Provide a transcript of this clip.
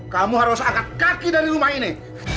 kamu harus angkat kaki dari rumah ini